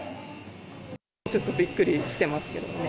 ちょっとびっくりしてますけどね。